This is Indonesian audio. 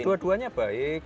ya dua duanya baik